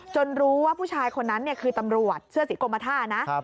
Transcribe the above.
รู้ว่าผู้ชายคนนั้นคือตำรวจเสื้อสีกรมท่านะ